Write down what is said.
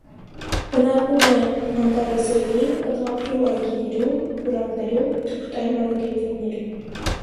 Բնակվում է անտառեզրերին, պտղատու այգիներում, պուրակներում, թփուտային մարգագետիններում։